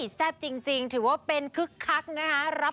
แซ่บจริงถือว่าเป็นคึกคักนะคะ